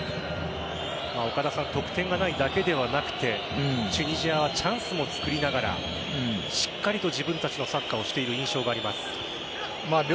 得点がないだけではなくてチュニジアはチャンスも作りながらしっかりと自分たちのサッカーをしている印象があります。